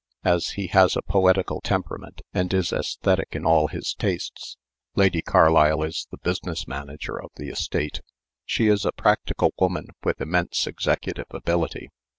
As he has a poetical temperament and is aesthetic in all his tastes, Lady Carlisle is the business manager of the estate. She is a practical woman with immense executive ability.